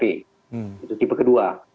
itu tipe kedua